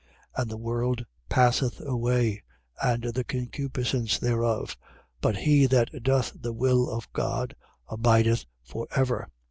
2:17. And the world passeth away and the concupiscence thereof: but he that doth the will of God abideth for ever.